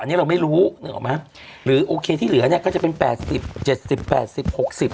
อันนี้เราไม่รู้นึกออกไหมหรือโอเคที่เหลือเนี้ยก็จะเป็นแปดสิบเจ็ดสิบแปดสิบหกสิบ